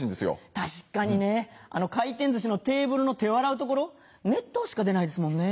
確かにねあの回転寿司のテーブルの手を洗う所熱湯しか出ないですもんね。